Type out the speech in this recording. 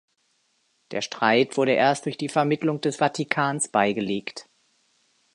Der Streit wurde erst durch Vermittlung des Vatikans beigelegt.